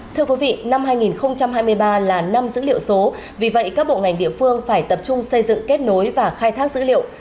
thưa quý vị năm hai nghìn hai mươi ba là năm dữ liệu số vì vậy các bộ ngành địa phương phải tập trung xây dựng kết nối và khai thác dữ liệu